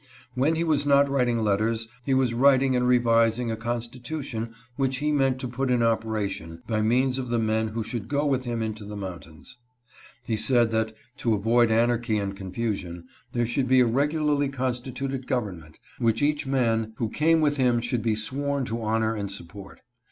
When he was not writing letters, he was writing and revising a constitu tion which he meant to put in operation by means of the men who should go with him into the mountains. He said that, to avoid anarchy and confusion, there should be a regularly constituted government, which each man who came with him should be sworn to honor and support.